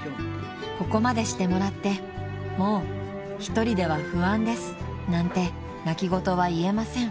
［ここまでしてもらってもう一人では不安ですなんて泣き言は言えません］